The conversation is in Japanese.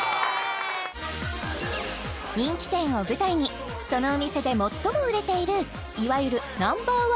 人気店を舞台にそのお店で最も売れているいわゆるＮｏ．１